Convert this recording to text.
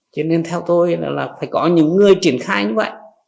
cho nên theo tôi là phải có những người triển khai như vậy